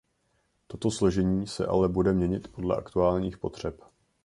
Toto složení se ale bude měnit podle aktuálních potřeb.